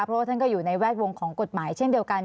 เพราะว่าท่านก็อยู่ในแวดวงของกฎหมายเช่นเดียวกัน